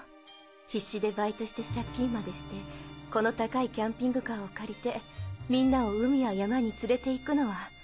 必死でバイトして借金までしてこの高いキャンピングカーを借りてみんなを海や山に連れて行くのは。